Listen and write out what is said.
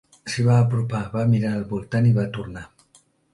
S'hi va apropar, va mirar al voltant i va tornar.